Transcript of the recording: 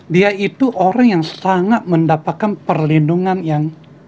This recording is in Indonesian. dia itu orang yang sangat mendapatkan perlindungan yang